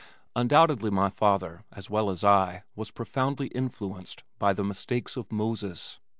Undoubtedly my father as well as I was profoundly influenced by "The Mistakes of Moses."